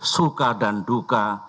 suka dan duka